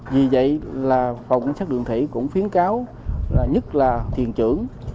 vì vậy là phòng quan sát đường thủy cũng phiến cáo nhất là thiền trưởng